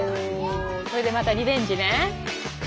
これでまたリベンジね。